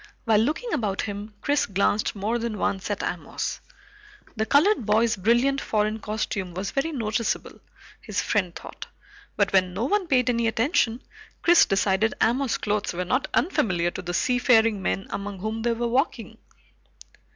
While looking about him, Chris glanced more than once at Amos. The colored boy's brilliant foreign costume was very noticeable, his friend thought, but when no one paid any attention, Chris decided Amos's clothes were not unfamiliar to the seafaring men among whom they were walking.